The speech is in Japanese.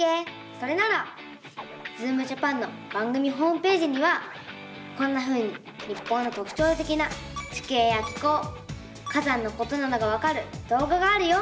それなら「ズームジャパン」の番組ホームページにはこんなふうに日本のとくちょうてきな地形や気候火山のことなどがわかるどうががあるよ！